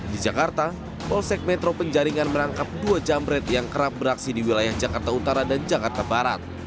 di jakarta polsek metro penjaringan merangkap dua jamret yang kerap beraksi di wilayah jakarta utara dan jakarta barat